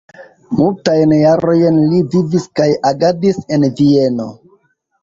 Multajn jarojn li vivis kaj agadis en Vieno.